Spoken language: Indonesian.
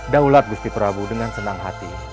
daulat gusti prabu dengan senang hati